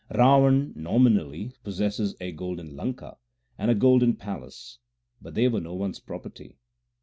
Rawan nominally possessed a golden Lanka and a golden palace, but they were no one s property.